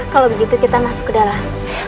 kalau begitu kita masuk ke dalam